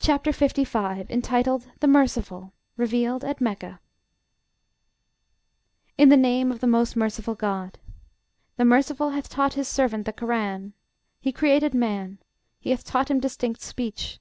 CHAPTER LV.: INTITLED "THE MERCIFUL." REVEALED AT MECCA In the name of the most merciful GOD. The Merciful hath taught his servant the Korân. He created man: he hath taught him distinct speech.